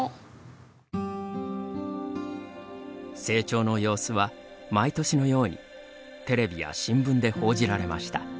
成長の様子は、毎年のようにテレビや新聞で報じられました。